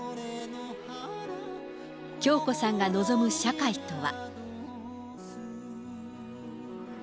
響子さんが望む社会とは。